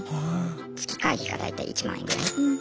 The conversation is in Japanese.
月会費が大体１万円ぐらい。